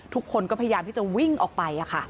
ทุกคนก็พยายามที่จะวิ่งออกไป